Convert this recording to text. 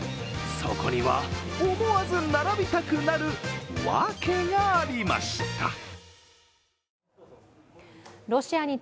そこには、思わず並びたくなるワケがありました。